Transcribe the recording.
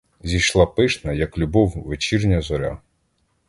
Зійшла пишна, як любов, вечірня зоря.